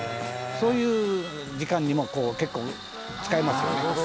「そういう時間にも結構使えますよね」